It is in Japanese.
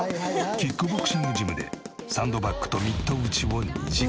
キックボクシングジムでサンドバックとミット打ちを２時間。